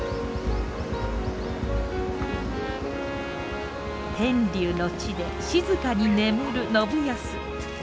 天竜の地で静かに眠る信康。